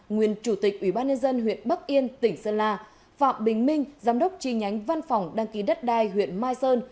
nguyên chủ tịch ubnd huyện bắc yên tỉnh sơn la phạm bình minh giám đốc tri nhánh văn phòng đăng ký đất đai huyện mai sơn